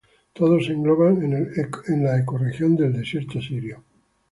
Todos se engloban en la ecorregión del Desierto Sirio.